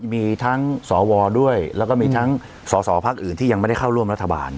มีทั้งสวด้วยแล้วก็มีทั้งสอสอพักอื่นที่ยังไม่ได้เข้าร่วมรัฐบาล